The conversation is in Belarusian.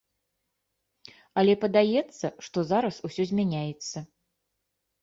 Але падаецца, што зараз усё змяняецца.